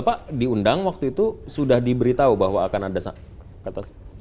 pak diundang waktu itu sudah diberitahu bahwa akan ada kata